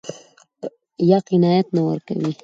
يا قناعت نه ورکوي.